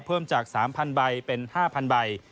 เพิ่มจาก๓๐๐ใบเป็น๕๐๐ใบ